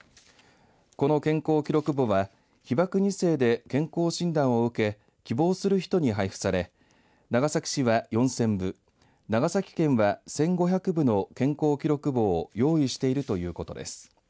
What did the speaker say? この健康記録簿は被爆２世で健康診断を受け希望する人に配布され長崎市は４０００部長崎県は１５００部の健康記録簿を用意しているということです。